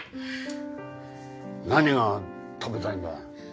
何が食べたいんだ？